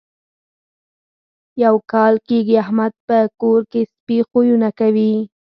یو کال کېږي احمد په کور کې سپي خویونه کوي.